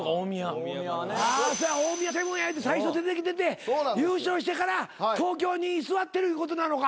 あ大宮セブンやいうて最初出てきてて優勝してから東京に居座ってるいうことなのか。